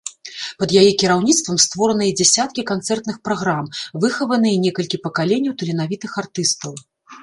Пад яе кіраўніцтвам створаныя дзесяткі канцэртных праграм, выхаваныя некалькі пакаленняў таленавітых артыстаў.